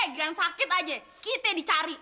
grand sakit aja kita dicari